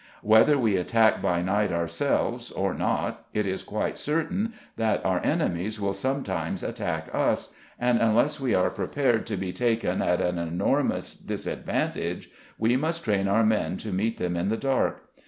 Whether we attack by night ourselves or not, it is quite certain that our enemies will sometimes attack us, and, unless we are prepared to be taken at an enormous disadvantage, we must train our men to meet them in the dark.